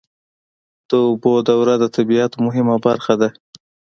د اوبو دوره د طبیعت مهمه برخه ده.